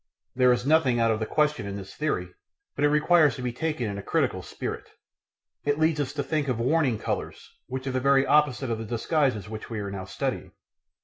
There is nothing out of the question in this theory, but it requires to be taken in a critical spirit. It leads us to think of "warning colours," which are the very opposite of the disguises which we are now studying.